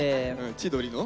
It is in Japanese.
千鳥の？